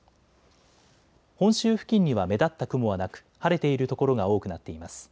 本州付近には目立った雲はなく晴れている所が多くなっています。